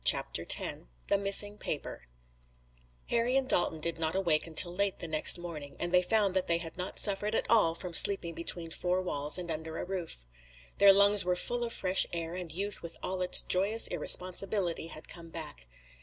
CHAPTER X THE MISSING PAPER Harry and Dalton did not awake until late the next morning and they found they had not suffered at all from sleeping between four walls and under a roof. Their lungs were full of fresh air, and youth with all its joyous irresponsibility had come back.